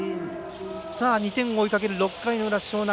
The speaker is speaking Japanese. ２点を追いかける６回の裏樟南。